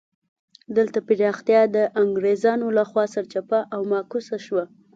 دلته پراختیا د انګرېزانو له خوا سرچپه او معکوسه شوه.